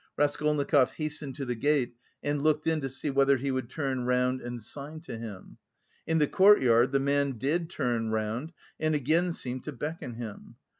Raskolnikov hastened to the gate and looked in to see whether he would look round and sign to him. In the court yard the man did turn round and again seemed to beckon him.